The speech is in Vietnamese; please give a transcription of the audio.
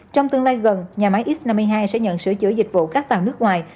trong tương lai gần nhà máy x năm mươi hai sẽ nhận sửa chữa dịch vụ cát vàng nước ngoài